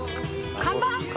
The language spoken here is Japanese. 看板？